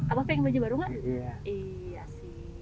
abah pengen baju baru gak